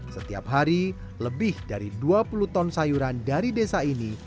setiap hari lebih dari dua puluh ton sayuran dari desa ini